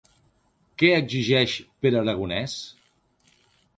Què exigeix Pere Aragonès?